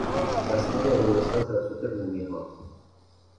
تسخیر انگلستان توسط رومیها